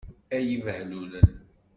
Ay ibehlulen!